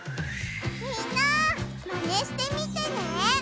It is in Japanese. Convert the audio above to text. みんなマネしてみてね！